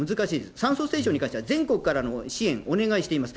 酸素ステーションに関しては、全国からの支援、お願いしています。